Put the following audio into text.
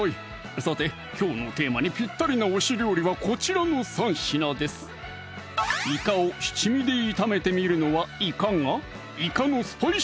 さてきょうのテーマにぴったりな推し料理はこちらの３品ですいかを七味で炒めてみるのはいかが？